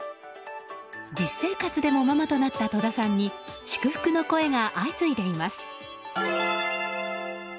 実生活でもママとなった戸田さんに祝福の声が相次いでいます。